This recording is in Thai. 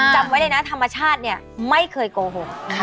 จำไว้เลยนะธรรมชาติเนี่ยไม่เคยโกหก